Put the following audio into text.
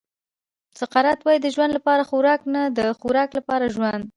سقراط وایي د ژوند لپاره خوراک نه د خوراک لپاره ژوند.